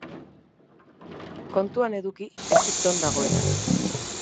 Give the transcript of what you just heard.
Kontuan eduki Egipton dagoela.